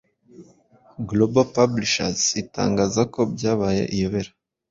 Global Publishers itangaza ko byabaye iyobera